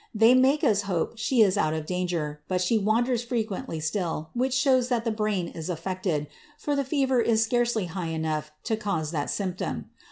They make us hope she is out of danger, but she wanders frequently still, which shows that the brain is affected, for the fever is scarcely high enough to cause that symptom.